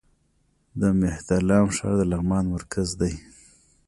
د مهترلام ښار د لغمان مرکز دی